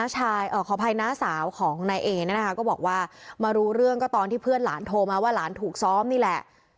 ขออภัยน้าสาวของนายเอเนี่ยนะคะก็บอกว่ามารู้เรื่องก็ตอนที่เพื่อนหลานโทรมาว่าหลานถูกซ้อมนี่แหละ